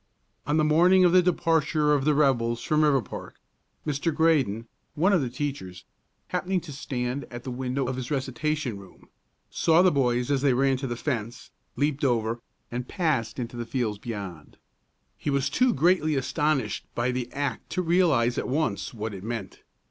On the morning of the departure of the rebels from Riverpark, Mr. Graydon, one of the teachers, happening to stand at the window of his recitation room, saw the boys as they ran to the fence, leaped over, and passed into the fields beyond. He was too greatly astonished by the act to realize at once what it meant.